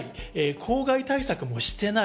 公害対策もしてない。